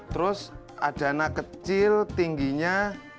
terus ada anak kecil tingginya